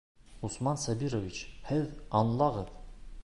Усман Сабирович, һеҙ аңлағыҙ!